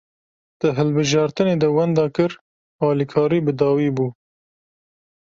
Di hilbijartinê de wenda kir, alîkarî bi dawî bû